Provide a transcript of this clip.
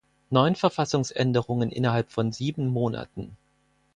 Neun Verfassungsänderungen innerhalb von sieben Monaten.